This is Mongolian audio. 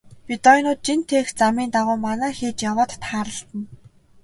Бедоинууд жин тээх замын дагуу манаа хийж яваад тааралдана.